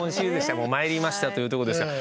もうまいりましたというとこですから。